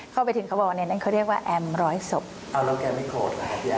เข้าไปถึงคำว่าแอมร้อยศพ